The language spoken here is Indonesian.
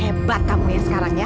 hebat kamu ya sekarang ya